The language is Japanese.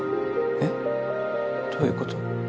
えっ？どういうこと？